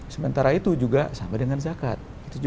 sementara itu juga sama dengan zakat